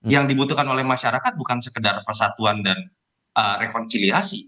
yang dibutuhkan oleh masyarakat bukan sekedar persatuan dan rekonsiliasi